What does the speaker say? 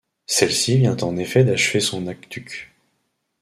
Celle-ci vient en effet d'achever son aqueduc.